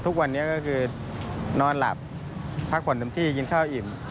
ทุกวันนี้ก็คือนอนหลับพักผ่อนเต็มที่กินข้าวอิ่ม